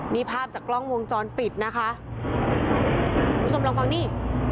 นี่ภาพจากกล้องวงจรปิดนะคะสมรองฟังนี่